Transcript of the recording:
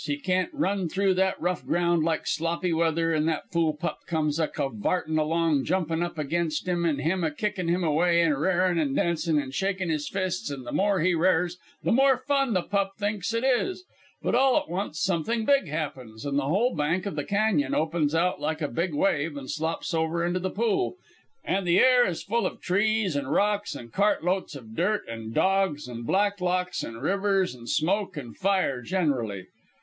He can't run through that rough ground like Sloppy Weather, an' that fool pup comes a cavartin' along, jumpin' up against him, an' him a kickin' him away, an' r'arin', an' dancin', an' shakin' his fists, an' the more he r'ars the more fun the pup thinks it is. But all at once something big happens, an' the whole bank of the cañon opens out like a big wave, and slops over into the pool, an' the air is full of trees an' rocks and cart loads of dirt an' dogs and Blacklocks and rivers an' smoke an' fire generally.